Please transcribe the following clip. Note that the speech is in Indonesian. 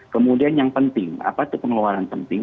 kemudian yang penting apa itu pengeluaran penting